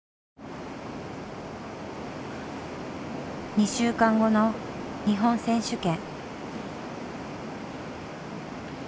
２週間後の日本選手権。